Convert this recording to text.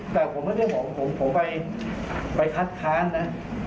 แต่ผมไม่ได้ห่วงผมผมไปไปทัศน์ทางนั้น